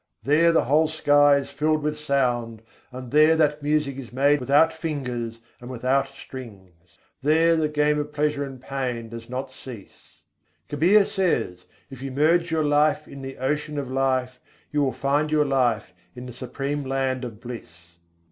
There the whole sky is filled with sound, and there that music is made without fingers and without strings; There the game of pleasure and pain does not cease. Kabîr says: "If you merge your life in the Ocean of Life, you will find your life in the Supreme Land of Bliss."